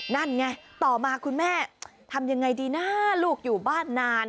นั่นไงต่อมาคุณแม่ทำยังไงดีนะลูกอยู่บ้านนาน